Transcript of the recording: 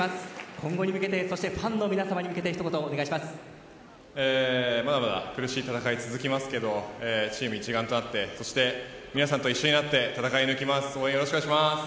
今後に向けてそしてファンの皆さんに向けてまだまだ苦しい戦いが続きますけどチーム一丸となってそして皆さんと一緒になって戦い抜きます。